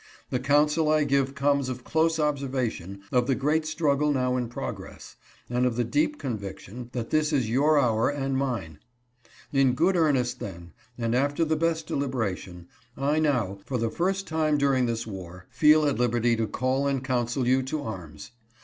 The counsel I give comes of close observation of the great struggle now in pro gress, and of the deep conviction that this is your hour and mine. In good earnest, then, and after the best deliberation, I now, for the first time during this war, feel at liberty to call and counsel you to arms.